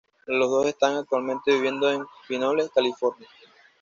Los dos están actualmente viviendo en Pinole, California.